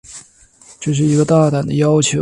这是一个大胆的要求。